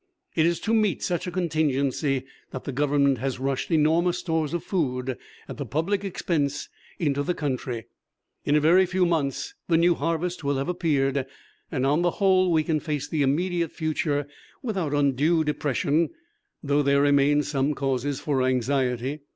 It is to meet such a contingency that the Government has rushed enormous stores of food at the public expense into the country. In a very few months the new harvest will have appeared. On the whole we can face the immediate future without undue depression, though there remain some causes for anxiety.